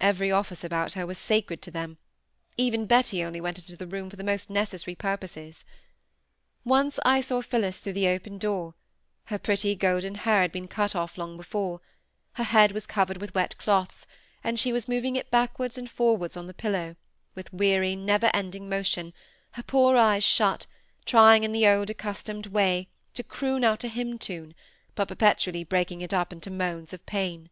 Every office about her was sacred to them; even Betty only went into the room for the most necessary purposes. Once I saw Phillis through the open door; her pretty golden hair had been cut off long before; her head was covered with wet cloths, and she was moving it backwards and forwards on the pillow, with weary, never ending motion, her poor eyes shut, trying in the old accustomed way to croon out a hymn tune, but perpetually breaking it up into moans of pain.